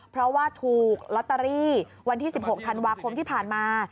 เพราะว่าถูกลอตเตอรี่วันที่๑๖ธันวาคมที่ผ่านมา